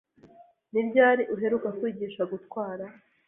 Ni ryari uheruka kwigisha gutwara?